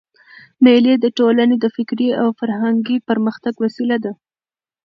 مېلې د ټولني د فکري او فرهنګي پرمختګ وسیله ده.